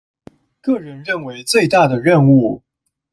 個人認為最大的任務